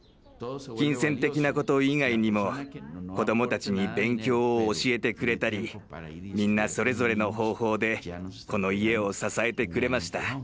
金銭的なこと以外にも子どもたちに勉強を教えてくれたりみんなそれぞれの方法でこの家を支えてくれました。